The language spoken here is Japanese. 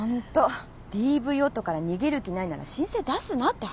ＤＶ夫から逃げる気ないなら申請出すなって話。